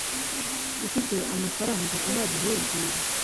ufite amafaranga ahagije y'urugendo